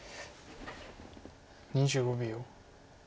２５秒。